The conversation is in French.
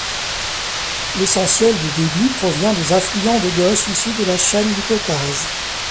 L'essentiel du débit provient des affluents de gauche issus de la chaîne du Caucase.